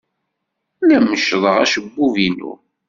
La meccḍeɣ acebbub-inu.